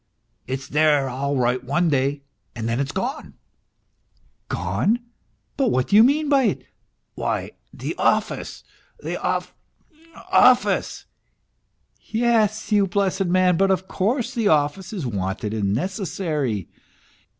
It's there all right one day and then it's gone." " Gone ! But what do you mean by it ?"" Why, the office ! The off off ice !"" Yes, you blessed man, but of course the office is wanted and necessary."